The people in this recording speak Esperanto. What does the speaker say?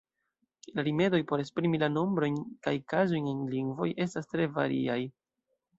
La rimedoj por esprimi la nombrojn kaj kazojn en lingvoj estas tre variaj.